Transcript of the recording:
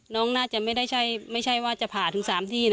น้องน่าจะไม่ได้ใช่ไม่ใช่ว่าจะผ่าถึง๓ที่นะ